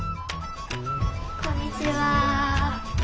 こんにちは。